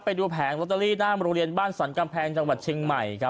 ไปดูแผงที่นั่งบริเวณลอตเตอรี่ที่ไม้บ้านสลันกำแพง